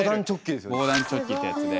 防弾チョッキってやつで。